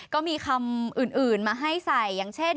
ก็มีคำอื่นมาให้ใส่อย่างเช่น